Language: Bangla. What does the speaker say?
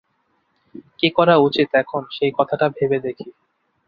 কী করা উচিত এখন সেই কথাটা ভাবো দেখি।